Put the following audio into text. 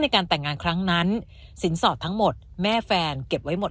ในการแต่งงานครั้งนั้นสินสอดทั้งหมดแม่แฟนเก็บไว้หมด